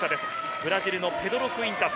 ブラジルのペドロ・クゥインタス。